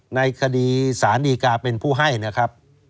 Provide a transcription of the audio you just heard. ในคดีสารดีกาเป็นผู้ให้นะครับ